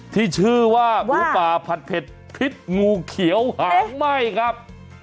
ที่ชื่อว่าหมูป่าผัดเผ็ดพิษงูเขียวหางไหม้ครับ